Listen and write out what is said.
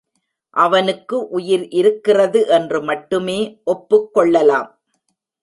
அவனுக்கு உயிர் இருக்கிறது என்று மட்டுமே ஒப்புக்கொள்ளலாம்.